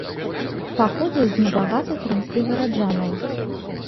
Паходзіў з небагатых рымскіх гараджанаў.